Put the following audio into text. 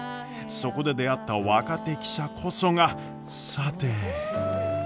そこで出会った若手記者こそがさて。